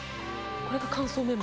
これが乾燥メンマ。